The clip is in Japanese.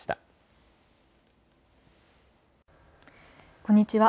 こんにちは。